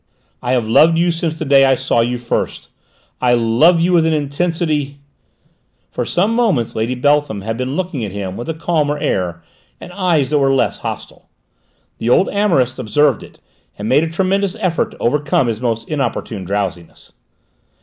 "I have loved you since the day I saw you first. I love you with an intensity " For some moments Lady Beltham had been looking at him with a calmer air, and eyes that were less hostile. The old amorist observed it, and made a tremendous effort to overcome his most inopportune drowsiness.